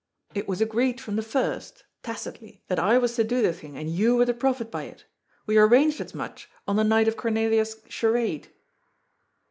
It was agreed from the first — tacitly — that I was to do the thing and you were to profit by it We arranged as much on the night of Cornelia's charade."